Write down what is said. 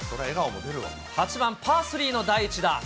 ８番パー３の第１打。